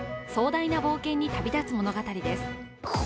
壮大な冒険に旅立つ物語です。